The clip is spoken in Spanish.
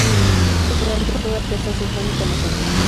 Allí fundó la Orquesta Sinfónica Nacional.